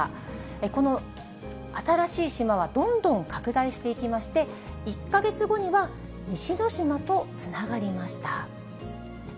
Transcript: この新しい島はどんどん拡大していきまして、１か月後には西之島とつながりました。